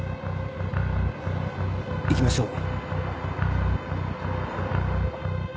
行きましょう。